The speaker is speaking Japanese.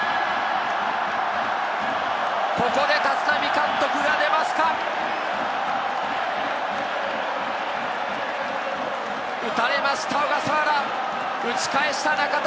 ここで立浪監督が出世界初！